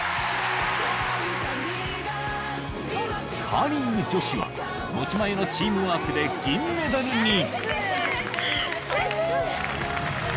カーリング女子は持ち前のチームワークで銀メダルに。